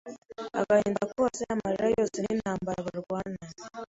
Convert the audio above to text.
Agahinda kose, amarira yose n’intambara barwana